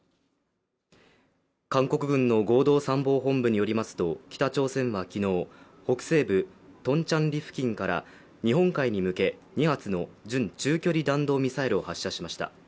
韓国軍の合同参謀本部によりますと、北朝鮮は昨日、北西部トンチャンリ付近から日本海に向け２発の準中距離弾道ミサイルを発射しました。